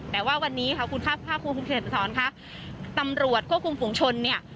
แต่ว่าวันนี้ค่ะคุณภาพคุณภูมิเศรษฐ์สอนค่ะตำรวจก็คุณภูมิชนเนี้ย